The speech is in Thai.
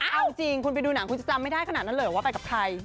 เอาจริงคุณไปดูหนังคุณจะจำไม่ได้ขนาดนั้นเลยเหรอว่าไปกับใคร